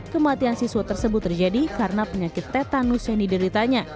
kematian siswa tersebut terjadi karena penyakit tetanus yang dideritanya